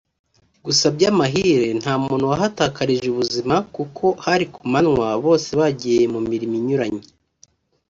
gusa by’amahire nta muntu wahatakarije ubuzima kuko hari ku manywa bose bagiye mu mirimo inyuranye